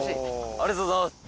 ありがとうございます。